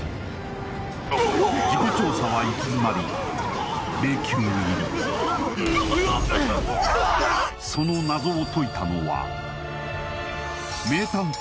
事故調査は行き詰まり迷宮入りその謎を解いたのは名探偵のある言葉だった